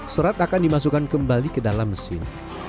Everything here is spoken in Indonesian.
serat akan dimasukkan kembali ke dalam mesin